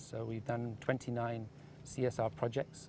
kami telah melakukan dua puluh sembilan proyek csr